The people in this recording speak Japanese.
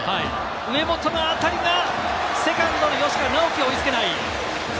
上本のあたりがセカンドの吉川尚輝が追いつけない！